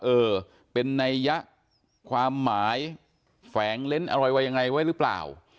เออเป็นนัยยะความหมายแฝงเล่นอะไรไว้ยังไงไว้หรือเปล่า